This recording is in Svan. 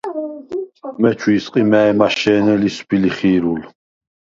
ამეჩუ ისყი მა̄̈ჲმაშე̄ნე ლისვბი-ლიხი̄რულ.